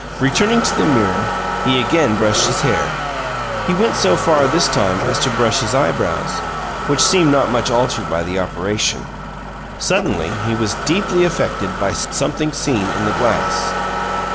Returning to the mirror, he again brushed his hair he went so far, this time, as to brush his eyebrows, which seemed not much altered by the operation. Suddenly, he was deeply affected by something seen in the glass.